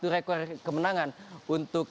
satu rekor kemenangan untuk